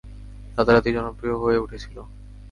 রাতারাতি জনপ্রিয় হয়ে উঠেছিল।